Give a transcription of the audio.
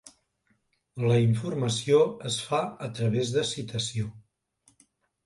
La informació es fa a través de citació.